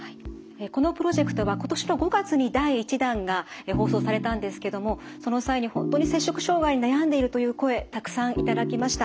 このプロジェクトは今年の５月に第１弾が放送されたんですけどもその際に本当に摂食障害に悩んでいるという声たくさん頂きました。